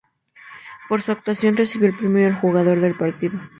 Por su actuación, recibió el premio al jugador del partido.